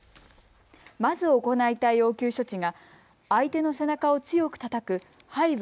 まず行いたい応急処置が相手の背中を強くたたく背部